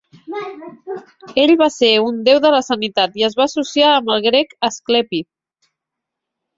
Ell va ser un Déu de la Sanitat i es va associar amb el grec Asclepi.